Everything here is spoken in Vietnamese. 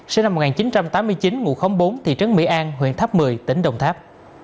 sinh năm một nghìn chín trăm tám mươi chín ngụ bốn thị trấn mỹ an huyện tháp mười tỉnh đồng tháp